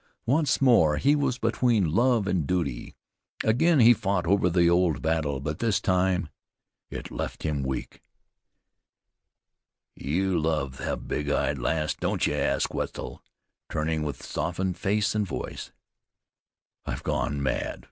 Once more he was between love and duty. Again he fought over the old battle, but this time it left him weak. "You love the big eyed lass, don't you?" asked Wetzel, turning with softened face and voice. "I have gone mad!"